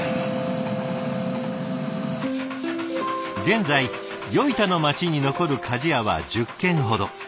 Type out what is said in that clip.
現在与板の町に残る鍛冶屋は１０軒ほど。